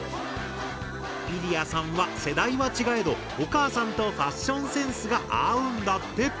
イリヤさんは世代は違えどお母さんとファッションセンスが合うんだって！